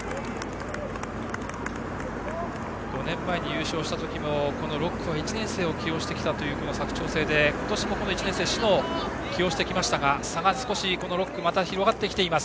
５年前に優勝した時もこの６区は１年生を起用してきたという佐久長聖で今年も１年生、篠を起用してきましたが差が少し６区で広がってきています。